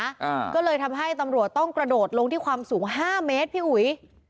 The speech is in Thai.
อ่าก็เลยทำให้ตำรวจต้องกระโดดลงที่ความสูงห้าเมตรพี่อุ๋ย